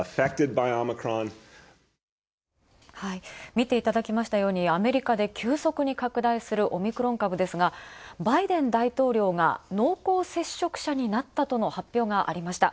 見ていただきましたように、アメリカで急速に拡大するオミクロン株ですが、バイデン大統領が、濃厚接触者になったとの発表がありました。